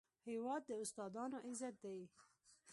هېواد د استادانو عزت دی.